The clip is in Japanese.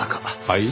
はい？